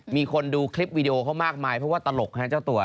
มีคนดูคลิปวีดีโอเขามากมายเพราะว่าตลกฮะเจ้าตัว